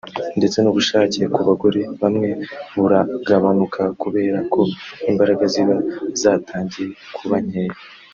ndetse n’ubushake ku bagore bamwe buragabanuka kubera ko imbaraga ziba zatangiye kuba nkeya